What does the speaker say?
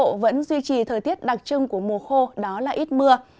tây nguyên và nam bộ vẫn duy trì thời tiết đặc trưng của mùa khô đó là ít mưa